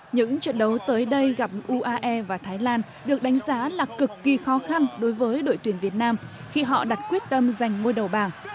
những trận đấu tới đây gặp uae và thái lan được đánh giá là cực kỳ khó khăn đối với đội tuyển việt nam khi họ đặt quyết tâm giành ngôi đầu bảng